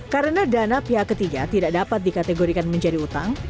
karena dana pihak ketiga tidak dapat dikategorikan menjadi utang